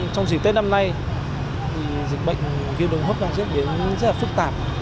trong dịp tết năm nay dịch bệnh ghiêu đồng hấp đang diễn biến rất là phức tạp